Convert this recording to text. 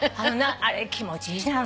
あれ気持ちいいじゃない。